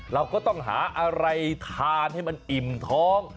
เราก็ต้องหาอะไรทานให้มันอิ่มท้อง